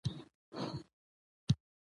خو به دا وي، چې په يوه ځانګړي